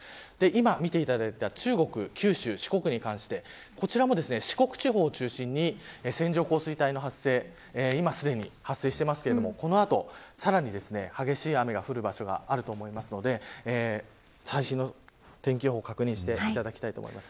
今、見ていただいた中国、九州、四国に関してこちらも、四国地方を中心に線状降水帯の発生今すでに発生していますがこの後さらに激しい雨が降る場所があると思いますので最新の天気予報を確認していただきたいです。